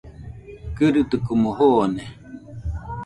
Kɨrɨtikomo joone